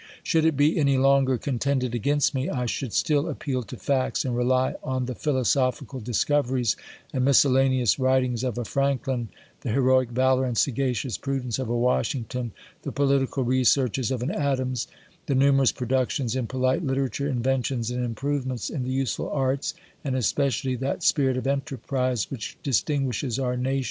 Should it be any longer contended against me, 1 jliould still appeal to facts, and rely on the philosophi :al discoveries and miscellaneous writings of a Franklin, he heroic valour and sagacious prudence of a Wash ngton, the political researches of an Adams, the nu nerous productions in polite literature, inventions and mprovements in the useful arts; and especially that ipirit of enterprise, which distinguishes our nation.